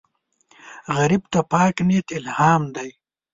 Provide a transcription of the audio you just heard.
غریب ته پاک نیت الهام دی